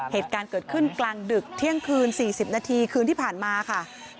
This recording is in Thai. เหตุการณ์เกิดขึ้นกลางดึกเที่ยงคืน๔๐นาทีคืนที่ผ่านมาค่ะ